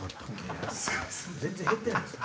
全然減ってないんすよ。